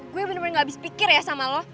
gue bener bener gak habis pikir ya sama lo